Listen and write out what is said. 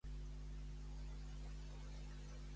He relliscat i necessito trucar a una ambulància, si us plau.